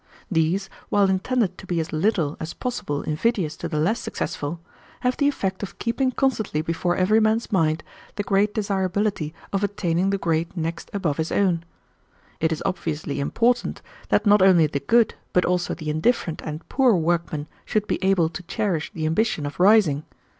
These, while intended to be as little as possible invidious to the less successful, have the effect of keeping constantly before every man's mind the great desirability of attaining the grade next above his own. "It is obviously important that not only the good but also the indifferent and poor workmen should be able to cherish the ambition of rising.